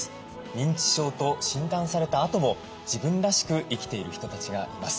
認知症と診断されたあとも自分らしく生きている人たちがいます。